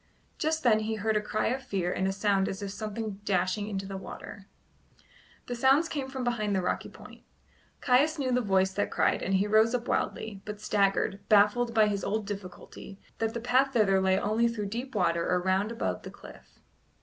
Just then he heard a cry of fear and a sound as if of something dashing into the water. The sounds came from behind the rocky point. Caius knew the voice that cried and he rose up wildly, but staggered, baffled by his old difficulty, that the path thither lay only through deep water or round above the cliff.